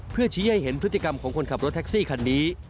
เพื่อชี้ให้เห็นพฤติกรรมของคนขับรถแท็กซี่คันนี้